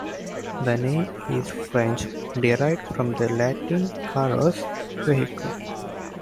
The name is French, derived from the Latin "carrus", vehicle.